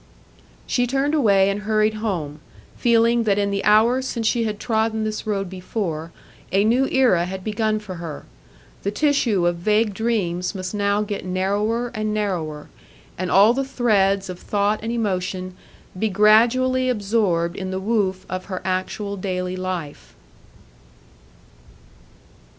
She turned away and hurried home, feeling that in the hour since she had trodden this road before, a new era had begun for her. The tissue of vague dreams must now get narrower and narrower, and all the threads of thought and emotion be gradually absorbed in the woof of her actual daily life.